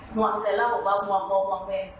หวังแต่เล่าบอกว่าหวังบอกบอกแม่